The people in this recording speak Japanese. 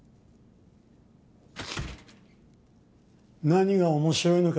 何が面白いのか